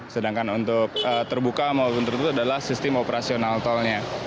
sedangkan untuk terbuka maupun tertutup adalah sistem operasional tolnya